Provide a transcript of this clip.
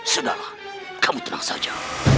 sudahlah kamu tenang saja